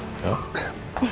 housing bag layer mekhalifikum